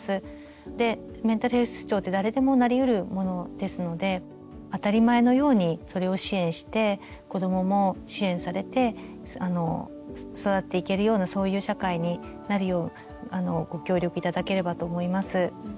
でメンタルヘルス不調って誰でもなりうるものですので当たり前のようにそれを支援して子どもも支援されて育っていけるようなそういう社会になるようご協力頂ければと思います。